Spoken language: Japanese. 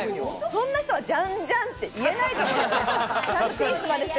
そんな人はジャンジャンって言えないと思う。